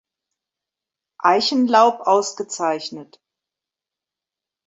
Eichenlaub ausgezeichnet.